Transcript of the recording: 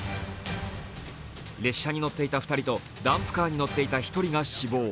列車に乗っていた２人とダンプカーに乗っていた１人が死亡。